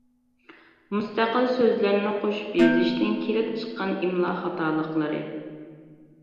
مۇستەقىل سۆزلەرنى قوشۇپ يېزىشتىن كېلىپ چىققان ئىملا خاتالىقلىرى.